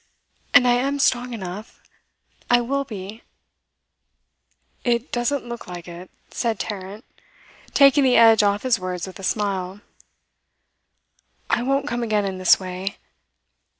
And I am strong enough I will be ' 'It doesn't look like it,' said Tarrant, taking the edge off his words with a smile. 'I won't come again in this way.